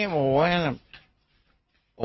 เฮ้ยมึงอะไรเงินเงิน